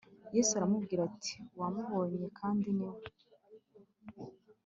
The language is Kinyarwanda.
Yesu aramubwira ati Wamubonye kandi ni we